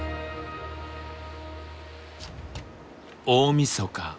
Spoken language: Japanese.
大みそか。